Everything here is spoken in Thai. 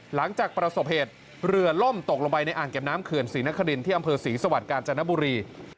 หลังจากประสบเหตุเรือล่มตกลงไปในอ่างเก็บน้ำเขื่อนศรีนครินที่อำเภอศรีสวรรค์กาญจนบุรี